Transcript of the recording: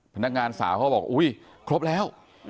พนักงานสาวเขาบอกอุ๊ยครบแล้ว